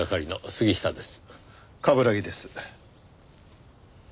冠城です。